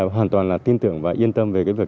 hoàn toàn là tin tưởng và yên tâm về cái việc